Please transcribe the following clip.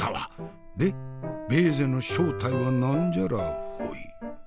でベーゼの正体は何じゃらほい？